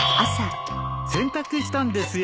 洗濯したんですよ。